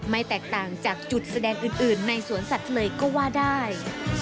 แตกต่างจากจุดแสดงอื่นในสวนสัตว์เลยก็ว่าได้